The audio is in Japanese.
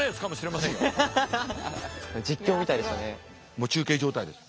もう中継状態です。